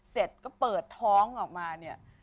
เสร็จก็เปิดท้องออกมาเนี่ย